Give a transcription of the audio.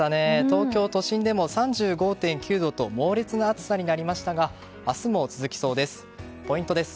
東京都心でも３５．９度と猛烈な暑さになりましたが明日も続きそうです。